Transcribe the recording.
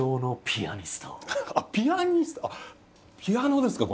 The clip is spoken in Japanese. ピアノですか？